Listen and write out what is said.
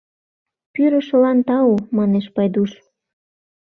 — Пӱрышылан тау! — манеш Пайдуш.